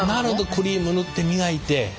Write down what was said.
クリーム塗って磨いて。